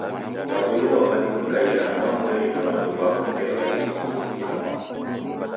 Daboilwagha ni kukaia andwamweri na w'andu w'apo ngelo ya Krisimasi kila mwaka.